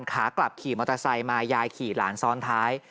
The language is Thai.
ขากลับขี่มอเตอร์ไซค์มายายขี่หลานซ้อนท้าย